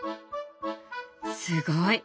すごい！